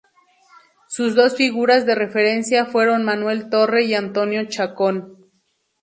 Sus dos figuras de referencia fueron Manuel Torre y Antonio Chacón.